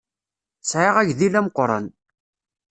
Ssɛiɣ agdil ameqran.